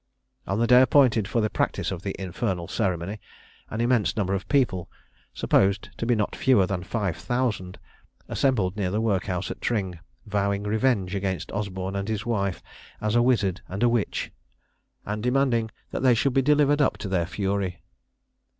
On the day appointed for the practice of the infernal ceremony, an immense number of people, supposed to be not fewer than five thousand, assembled near the workhouse at Tring, vowing revenge against Osborne and his wife, as a wizard and a witch, and demanding that they should be delivered up to their fury.